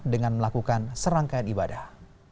dengan melakukan serangkaian ibadah